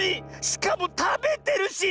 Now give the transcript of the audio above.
しかもたべてるし！